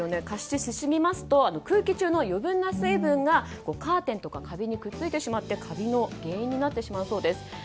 加湿しすぎますと空気中の余分な水分がカーテンや壁にくっついてしまってカビの原因になってしまうそうです。